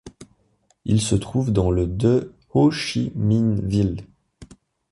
Il se trouve dans le de Hô-Chi-Minh-Ville.